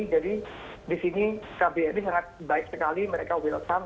jadi di sini kbri sangat baik sekali mereka welcome